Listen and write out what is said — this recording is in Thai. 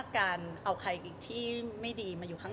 คือเราอ่ะจะรู้สึกว่า